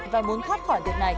và muốn thoát khỏi việc này